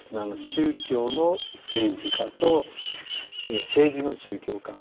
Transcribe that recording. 宗教の政治化と政治の宗教化。